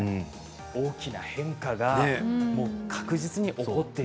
大きな変化が確実に起こっている。